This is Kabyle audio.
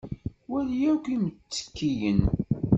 wali akk imttekkiyen.